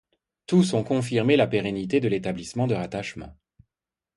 Tous ont confirmé la pérennité de l'établissement de rattachement.